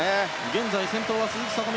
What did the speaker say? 現在先頭は鈴木聡美。